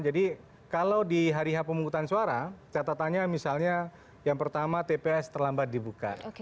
jadi kalau di hari pemungkutan suara catatannya misalnya yang pertama tps terlambat dibuka